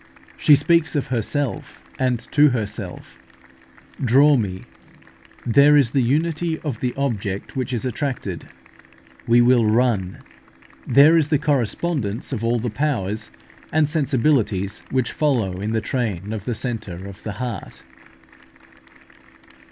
She speaks of herself, and to herself: "Draw me;" there is the unity of the object which is attracted: "We will run;" there is the correspondence of all the powers and sensibilities which follow in the train of the centre of the heart.